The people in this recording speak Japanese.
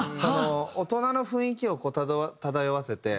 大人の雰囲気を漂わせて。